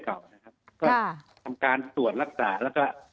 ก็ทำการส่วนรักษาแล้วก็